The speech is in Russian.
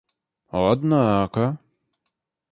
однако